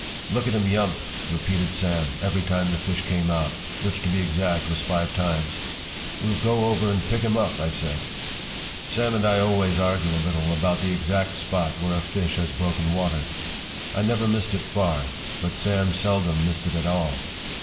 p> “Look at him yump!” repeated Sam, every time the fish came out, which, to be exact, was five times. “We’ll go over and pick him up,” I said. Sam and I always argue a little about the exact spot where a fish has broken water. I never missed it far, but Sam seldom missed it at all.